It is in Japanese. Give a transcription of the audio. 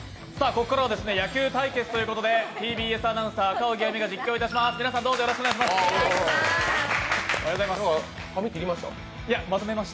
ここからは野球対決ということでＴＢＳアナウンサー、赤荻歩が実況いたします。